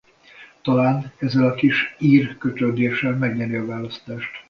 Talán ezzel a kis ír-kötődéssel megnyeri a választást.